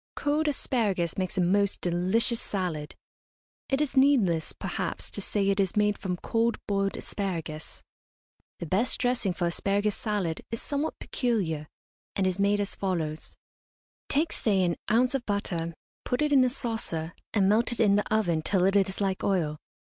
Cold asparagus makes a most delicious salad. It is needless, perhaps, to say it is made from cold boiled asparagus. The best dressing for asparagus salad is somewhat peculiar, and is made as follows: Take, say, an ounce of butter, put it in a saucer, and melt it in the oven till it is like oil.